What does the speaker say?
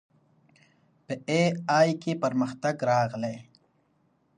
په اې ای کې پرمختګ راغلی.